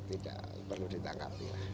tidak perlu ditangkapi